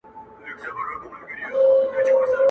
o او په گوتو کي يې سپين سگريټ نيولی.